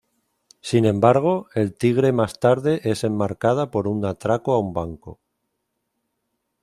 Sin embargo, el Tigre más tarde es enmarcada por un atraco a un banco.